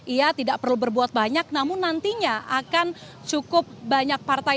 ia tidak perlu berbuat banyak namun nantinya akan cukup banyak partai